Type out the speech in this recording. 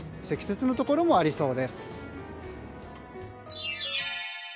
積雪のところもありそうです。